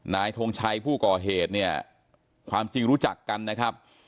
ทงชัยผู้ก่อเหตุเนี่ยความจริงรู้จักกันนะครับ